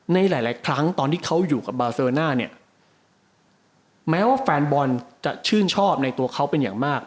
ในหลายครั้งตอนที่เขาอยู่กับบาเซโรน่าเนี่ยแม้ว่าแฟนบอลจะชื่นชอบในตัวเขาเป็นอย่างมาก